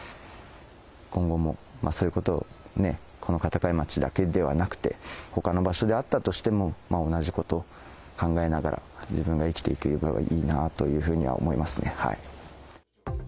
今後も、そういうことを、この片貝町だけではなくて、ほかの場所であったとしても、同じこと考えながら、自分が生きていければいいなというふうには思いますね。